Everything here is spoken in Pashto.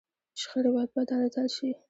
شخړې باید په عدالت حل شي.